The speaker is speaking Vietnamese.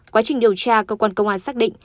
quá trình điều tra cơ quan công an xác định